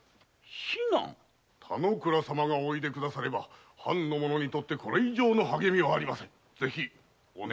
田之倉様にお越し願えれば藩の者にとりこれ以上の励みはありません。